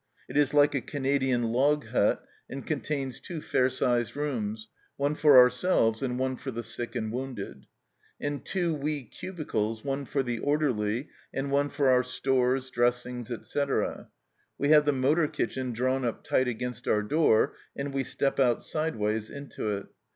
It is like a Canadian log hut, and contains two fair sized rooms, one for ourselves and one for the sick and wounded ; and two wee cubicles, one for the orderly and one for our stores, dressings, etc. We have the motor kitchen drawn up tight against our door, and we step out sideways into it.